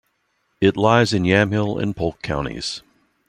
It lies in Yamhill and Polk Counties.